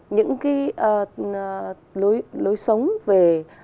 những cái lối sống về